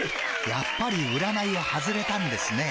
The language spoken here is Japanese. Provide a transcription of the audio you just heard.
やっぱり占いは外れたんですね。